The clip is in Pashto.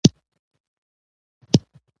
د کرکټ سیالۍ ډېرې دلچسپې دي.